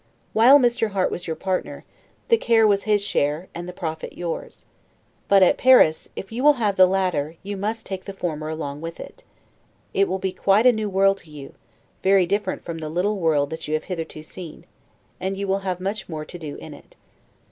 While Mr. Harte was your partner, the care was his share, and the profit yours. But at Paris, if you will have the latter, you must take the former along with it. It will be quite a new world to you; very different from the little world that you have hitherto seen; and you will have much more to do in it.